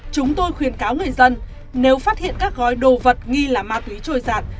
chúng tôi khuyên cáo người dân nếu phát hiện các gói đồ vật nghi là ma túy trôi giặt